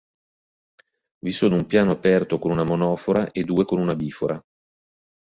Vi sono un piano aperto con una monofora e due con una bifora.